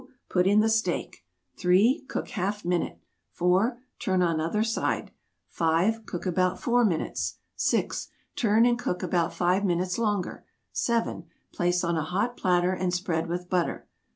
Put in the steak. 3. Cook half minute. 4. Turn on other side. 5. Cook about 4 minutes. 6. Turn, and cook about 5 minutes longer. 7. Place on a hot platter, and spread with butter.